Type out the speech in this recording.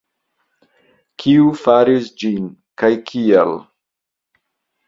Kiu faris ĝin, kaj kial?